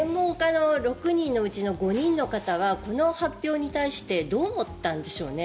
６人のうちの５人の方はこの発表に対してどう思ったんでしょうね。